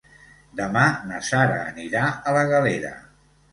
Demà na Sara anirà a la Galera.